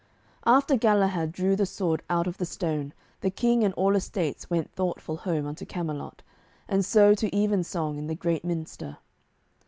After Galahad drew the sword out of the stone the King and all estates went thoughtful home unto Camelot, and so to even song in the great minster.